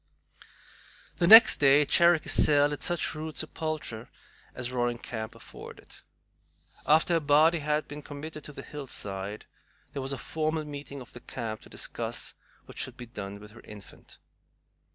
The next day Cherokee Sal had such rude sepulture as Roaring Camp afforded. After her body had been committed to the hillside, there was a formal meeting of the camp to discuss what should be done with her infant.